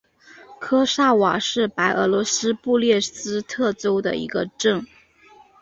科萨瓦是白俄罗斯布列斯特州的一个镇。